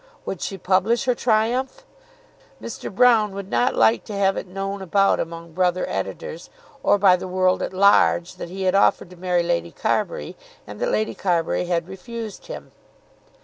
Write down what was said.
Would she publish her triumph? Mr. Broune would not like to have it known about among brother editors, or by the world at large, that he had offered to marry Lady Carbury and that Lady Carbury had refused him.